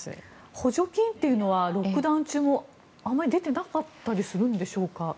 補助金というのはロックダウン中もあまり出ていなかったりするんでしょうか。